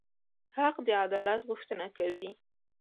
حق د عدالت غوښتنه کوي.